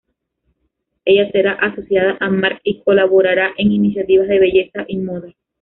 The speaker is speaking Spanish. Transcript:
Ella será asociada a "mark" y colaborará en iniciativas de belleza y moda.